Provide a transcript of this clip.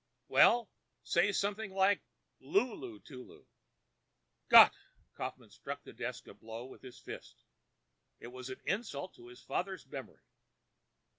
"Well,—say something like 'Lulu Tulu.'" "Gott!" Kaufmann struck the desk a blow with his fist. It was an insult to his father's memory.